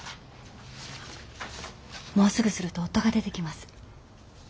もうすぐすると夫が出てきます。